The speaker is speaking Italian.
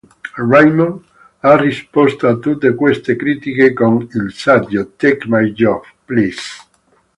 Raymond ha risposto a tutte queste critiche con il saggio "Take My Job, Please!